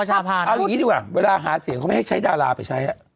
เอาอย่างนี้ดีกว่าเวลาหาเสียงเขาไม่ให้ใช้ดาราไปใช้